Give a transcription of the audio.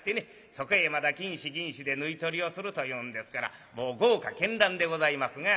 そこへまた金糸銀糸で縫い取りをするというんですからもう豪華絢爛でございますが。